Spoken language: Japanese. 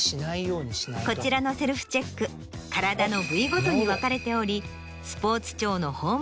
こちらの「セルフチェック」体の部位ごとに分かれており。